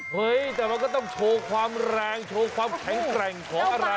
เฮ้ยแต่มันก็ต้องโชว์ความแรงโชว์ความแข็งแกร่งของอะไร